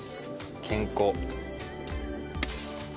健康。